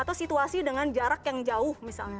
atau situasi dengan jarak yang jauh misalnya